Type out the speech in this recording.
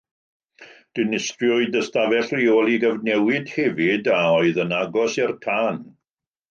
Dinistriwyd ystafell reoli gyfnewid hefyd a oedd yn agos i'r tân.